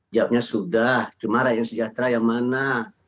jawabnya sudah cuma rakyat yang sejahtera yang mana